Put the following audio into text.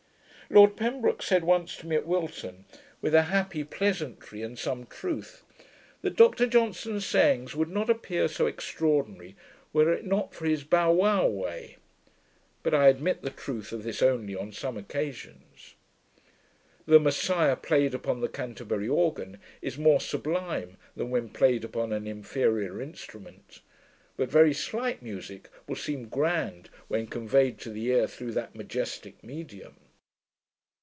Lord Pembroke said once to me at Wilton, with a happy pleasantry, and some truth, that 'Dr Johnson's sayings would not appear so extraordinary, were it not for his bow wow way': but I admit the truth of this only on some occasions. The Messiah, played upon the Canterbury organ, is more sublime than when played upon an inferior instrument: but very slight musick will seem grand, when conveyed to the ear through that majestick medium.